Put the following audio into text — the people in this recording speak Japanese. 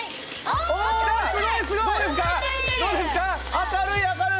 明るい明るい！